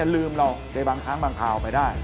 ลืมเราในบางครั้งบางคราวไปได้